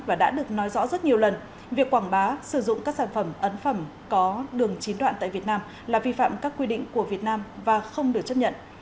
và đã được nói rõ rất nhiều lần việc quảng bá sử dụng các sản phẩm ấn phẩm có đường chín đoạn tại việt nam là vi phạm các quy định của việt nam và không được chấp nhận